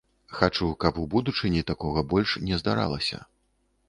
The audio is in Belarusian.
Хачу, каб у будучыні такога больш не здаралася.